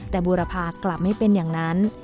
แต่บูรพากลับไม่เป็นอย่างนั้น